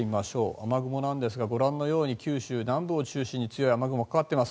雨雲なんですがご覧のように九州南部を中心に強い雨雲がかかっています。